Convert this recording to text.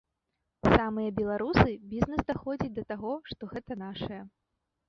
Самыя беларусы, бізнэс даходзіць да таго, што гэта нашае.